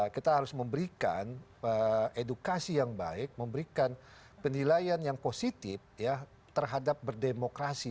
kita harus memberikan edukasi yang baik memberikan penilaian yang positif ya terhadap berdemokrasi